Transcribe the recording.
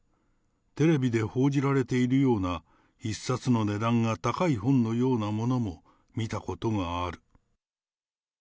テレビで報じられているような一冊の値段が高い本のようなものも見たことがある。